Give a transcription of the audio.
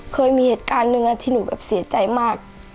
เคยมีเหตุการณ์หนึ่งที่หนูแบบเสียใจมาก